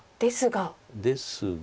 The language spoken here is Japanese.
ですが。